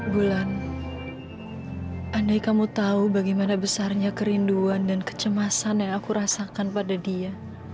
bulan andai kamu tahu bagaimana besarnya kerinduan dan kecemasan yang aku rasakan pada dia